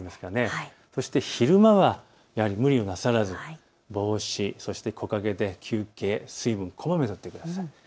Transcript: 昼間は無理をなさらずに、帽子、木陰で休憩、水分をこまめにとってください。